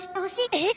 えっ！？